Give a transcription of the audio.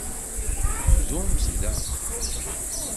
Bdumt da.